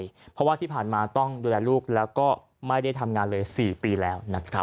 เพราะว่าที่ผ่านมาต้องดูแลลูกแล้วก็ไม่ได้ทำงานเลย๔ปีแล้วนะครับ